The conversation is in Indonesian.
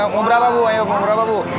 mau berapa bu